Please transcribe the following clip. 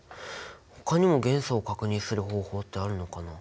ほかにも元素を確認する方法ってあるのかな。